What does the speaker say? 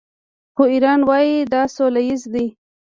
خو ایران وايي دا سوله ییز دی.